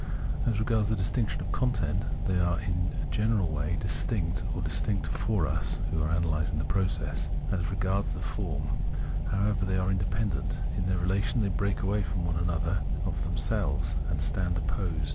As regards the distinction of content, they are in a general way dis tinct, or distinct for us [who are analysing the process] ; as regards form, however, they are independent, in their relation they break away from one another of themselves, and stand opposed.